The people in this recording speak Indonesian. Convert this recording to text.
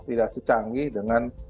tidak secanggih dengan